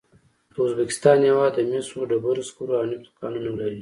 د ازبکستان هېواد د مسو، ډبرو سکرو او نفتو کانونه لري.